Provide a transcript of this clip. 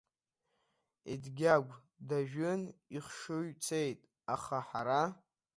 Едгьагә дажәын ихшыҩ цеит, аха ҳара…